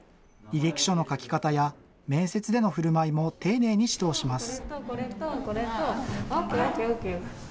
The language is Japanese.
履歴書の書き方や、面接でのふるまいも丁寧に指導します。